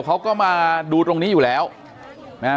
อ๋อเจ้าสีสุข่าวของสิ้นพอได้ด้วย